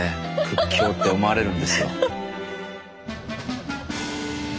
屈強って思われるんですよ。